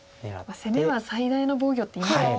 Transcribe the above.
攻めは最大の防御っていいますよね。